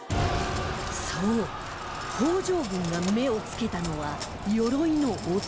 そう北条軍が目を付けたのは鎧の音